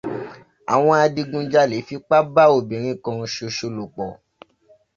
Àwọn adigunjalè fipá bá obìnrin kan ṣoṣo lòpọ̀.